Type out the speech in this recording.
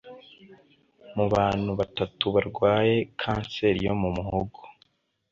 Mu bantu batatu barwaye kanseri yo mu muhogo